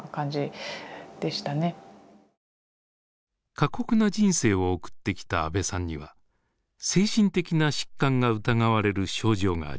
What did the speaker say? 過酷な人生を送ってきた阿部さんには精神的な疾患が疑われる症状がありました。